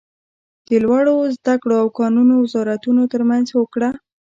د لوړو ذده کړو او کانونو وزارتونو تر مینځ هوکړه